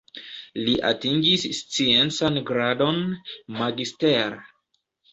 Li atingis sciencan gradon "magister".